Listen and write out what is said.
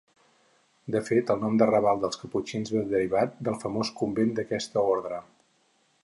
De fet el nom de raval dels Caputxins ve derivat del famós convent d'aquesta ordre.